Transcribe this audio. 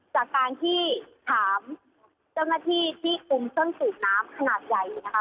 จากการที่ถามเจ้าหน้าที่ที่คุมเครื่องสูบน้ำขนาดใหญ่นะคะ